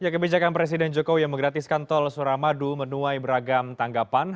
kebijakan presiden jokowi yang menggratiskan tol suramadu menuai beragam tanggapan